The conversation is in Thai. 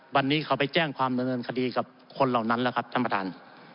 วันนี้เขาไปแจ้งความดำเนินคดีกับคนเหล่านั้นแล้วครับท่านประธาน